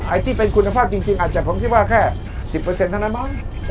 ที่เป็นคุณภาพจริงอาจจะผมคิดว่าแค่๑๐เท่านั้นมั้ง